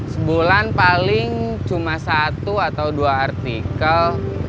sebulan paling cuma satu atau dua artikel